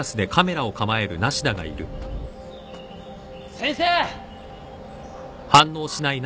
先生！